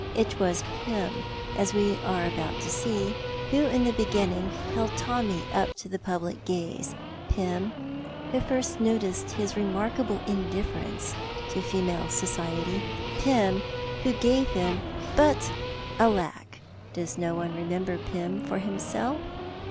It was Pym, as we are about to see, who in the beginning held Tommy up to the public gaze, Pym who first noticed his remarkable indifference to female society, Pym who gave him But alack! does no one remember Pym for himself?